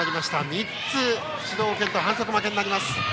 ３つ指導を受けると反則負けになります。